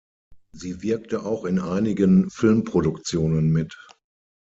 Sie wirkte auch in einigen Filmproduktionen mit.